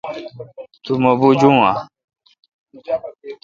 تو مہ بوجو اؘ۔